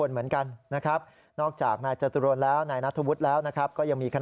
จะยืนยัดร่วมกับฝ่ายประชาธิปไตยทั้งประเทศ